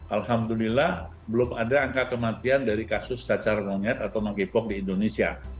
alhamdulillah belum ada angka kematian dari kasus cacar monyet atau monkeypox di indonesia